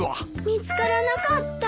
見つからなかった。